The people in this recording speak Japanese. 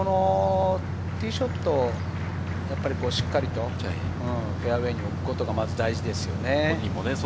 ティーショットをしっかりとフェアウエーに置くことがまず大事ですよね。